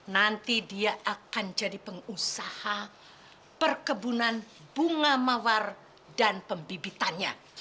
nanti dia akan jadi pengusaha perkebunan bunga mawar dan pembibitannya